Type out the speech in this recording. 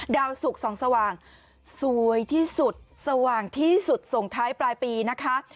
สุขส่องสว่างสวยที่สุดสว่างที่สุดส่งท้ายปลายปีนะคะ